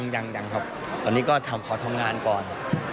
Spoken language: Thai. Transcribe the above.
ยังครับตอนนี้ก็ขอทำงานก่อน